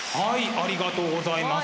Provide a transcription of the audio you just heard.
ありがとうございます。